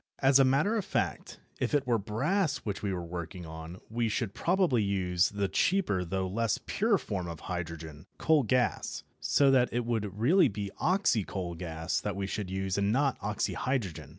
As a matter of fact, if it were brass which we were working on we should probably use the cheaper though less pure form of hydrogen coal gas so that it would really be "oxycoal gas" that we should use and not oxyhydrogen.